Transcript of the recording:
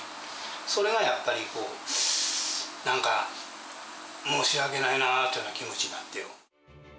それがやっぱりこう、なんか申し訳ないなという気持ちになってよ。